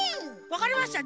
わかりました。